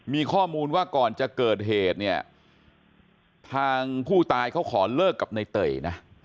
มีข้อมูลว่าก่อนจะเกิดเหตุเนี่ยทางผู้ตายเขาขอเลิกกับในเตยนะ